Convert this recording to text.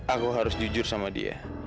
aku harus jujur sama dia